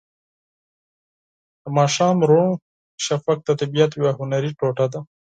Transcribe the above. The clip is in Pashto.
د ماښام روڼ شفق د طبیعت یوه هنري ټوټه ده.